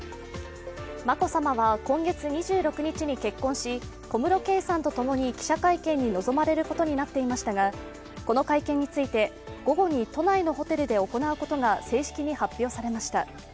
眞子さまは今月２６日に結婚し小室圭さんとともに記者会見に臨まれることになっていましたがこの会見について午後に都内のホテルで行うことが正式に発表されました。